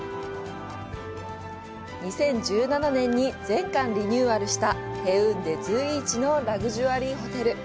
２０１７年に全館リニューアルしたヘウンデ随一のラクジュアリーホテル。